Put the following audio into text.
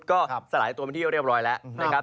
ก็สลายตัวเป็นที่เรียบร้อยแล้วนะครับ